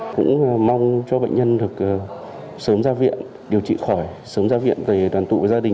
cũng mong cho bệnh nhân được sớm ra viện điều trị khỏi sớm ra viện về đoàn tụ với gia đình